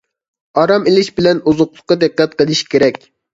ئارام ئېلىش بىلەن ئوزۇقلۇققا دىققەت قىلىش كېرەك.